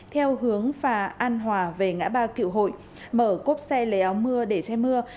theo hướng phà an hòa về ngã ba cựu hội mở cốp xe lấy áo mưa để che mưa